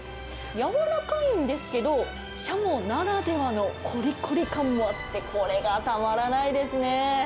やわらかいんですけれども、シャモならではのこりこり感もあって、これがたまらないですね。